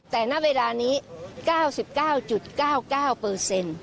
แต่หน้าเวลานี้๙๙๙๙